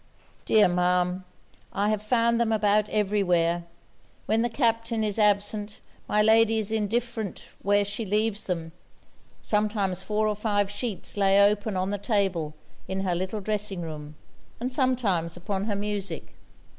'Dear, Ma'am, I have found them about every where. When the Captain is absent, my lady is indifferent where she leaves them. Sometimes four or five sheets lay open on the table in her little dressing room, and sometimes upon her music.'